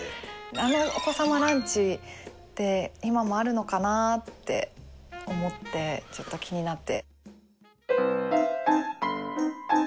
あのお子様ランチって今もあるのかなって思ってちょっと気になって。